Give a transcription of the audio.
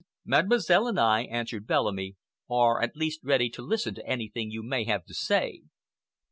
"Mademoiselle and I," answered Bellamy, "are at least ready to listen to anything you may have to say."